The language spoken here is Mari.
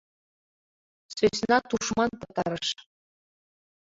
Сӧсна тушман пытарыш.